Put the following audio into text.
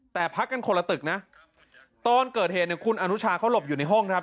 แต่พักกันคนละตึกนะตอนเกิดเหตุเนี่ยคุณอนุชาเขาหลบอยู่ในห้องครับ